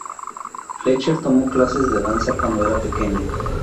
Fletcher tomó clases de danza cuando era pequeña.